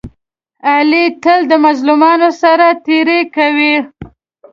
علي تل د مظلومانو سره تېری کوي.